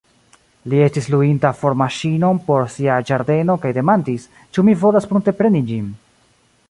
Li estis luinta fosmaŝinon por sia ĝardeno kaj demandis, ĉu mi volas pruntepreni ĝin.